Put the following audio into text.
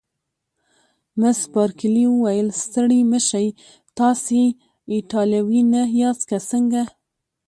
مس بارکلي وویل: ستړي مه شئ، تاسي ایټالوي نه یاست که څنګه؟